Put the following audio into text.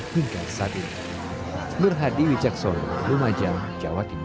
hingga sabi berhadiwi jackson rumah jam jawa timur